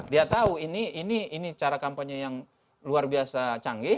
dia tahu ini cara kampanye yang luar biasa canggih